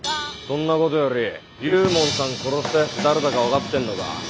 そんなことより龍門さん殺したやつ誰だか分かってんのか？